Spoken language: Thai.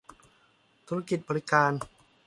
ธุรกิจบริการ